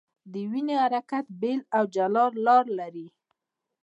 د وینو حرکت بېل او جلا لار لري.